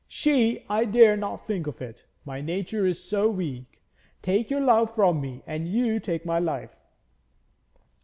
She I dare not think of it! My nature is so weak. Take your love from me and you take my life.'